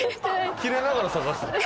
キレながら探してた